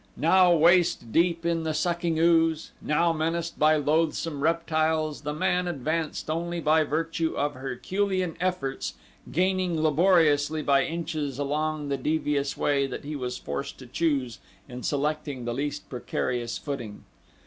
Now waist deep in the sucking ooze, now menaced by loathsome reptiles, the man advanced only by virtue of Herculean efforts gaining laboriously by inches along the devious way that he was forced to choose in selecting the least precarious footing.